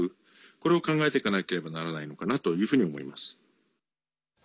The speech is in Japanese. これを考えていかなければならないのかなというふうに思います。